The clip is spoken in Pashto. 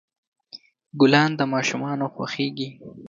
ګلان د ماشومان خوښیږي.